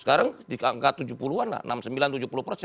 sekarang di angka tujuh puluh an lah